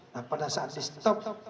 nah pada saat di stop